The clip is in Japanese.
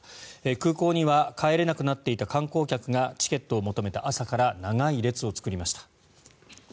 空港には帰れなくなっていた観光客がチケットを求めて朝から長い列を作りました。